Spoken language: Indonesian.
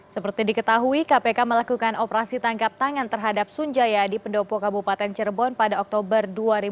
seperti diketahui kpk melakukan operasi tangkap tangan terhadap sunjaya di pendopo kabupaten cirebon pada oktober dua ribu dua puluh